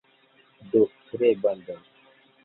Do, tre baldaŭ